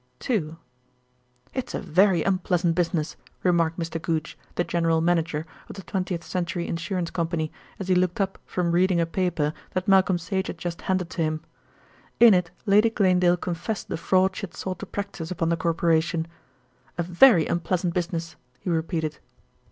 II "It's a very unpleasant business," remarked Mr. Goodge, the General Manager of the Twentieth Century Insurance Company, as he looked up from reading a paper that Malcolm Sage had just handed to him. In it Lady Glanedale confessed the fraud she had sought to practise upon the Corporation. "A very unpleasant business," he repeated.